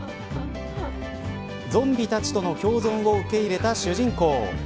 ゾンビたちとの共存を受け入れた主人公。